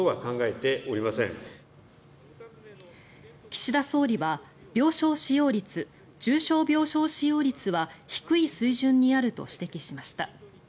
岸田総理は病床使用率、重症病床使用率は低い水準にあると指摘しました。